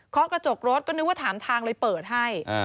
กระจกรถก็นึกว่าถามทางเลยเปิดให้